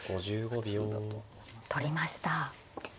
取りました。